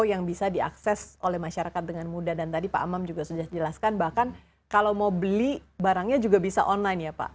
yang bisa diakses oleh masyarakat dengan mudah dan tadi pak amam juga sudah jelaskan bahkan kalau mau beli barangnya juga bisa online ya pak